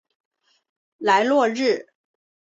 莱洛日。